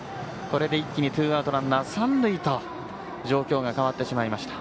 これで一気にツーアウトランナー、三塁と状況が変わってしまいました。